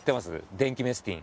電気メスティン。